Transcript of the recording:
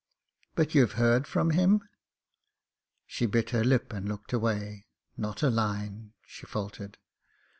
"But you've heard from him?" She bit her lip and looked away. "Not a line," she faltered.